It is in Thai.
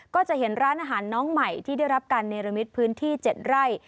ก็จะเห็นร้านอาหารน้องใหม่ที่ได้รับการเนรมิตพื้นที่๗ไร่